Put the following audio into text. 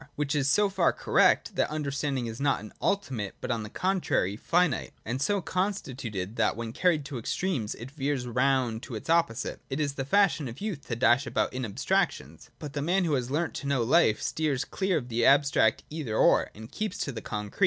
Which is so far correct, that understanding is not an ultimate, but on the contrary finite, and so constituted that when carried to extremes it veers round to its opposite. It is the fashion of youth to dash about in abstractions : but the man who has learnt to know life steers clear of the abstract ' either — or,' and keeps to the concrete. 8i.